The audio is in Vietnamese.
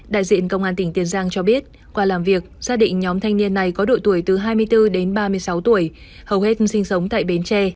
đại diện công an tỉnh tiền giang cho biết qua làm việc xác định nhóm thanh niên này có đội tuổi từ hai mươi bốn đến ba mươi sáu tuổi hầu hết sinh sống tại bến tre